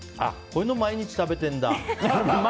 こういうの、毎日食べてるんだ。